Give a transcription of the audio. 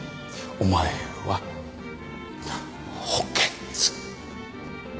お前は補欠。